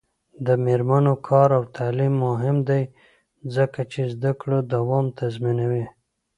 د میرمنو کار او تعلیم مهم دی ځکه چې زدکړو دوام تضمینوي.